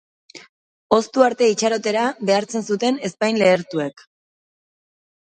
Hoztu arte itxarotera behartzen zuten ezpain lehertuek.